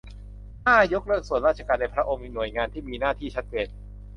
ห้า ยกเลิกส่วนราชการในพระองค์ หน่วยงานที่มีหน้าที่ชัดเจน